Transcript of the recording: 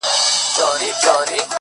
د محبت دار و مدار کي خدايه ،